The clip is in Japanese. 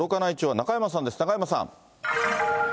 中山さん。